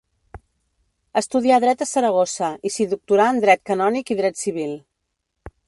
Estudià dret a Saragossa, i s'hi doctorà en dret canònic i dret civil.